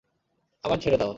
আমায় ছেড়ে দাও!